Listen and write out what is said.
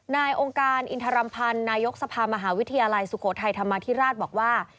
นายองค์การอินทรัมพันธ์นายกสภามหาวิทยาลัยสุโขทัยธรรมาธิราชบอกว่า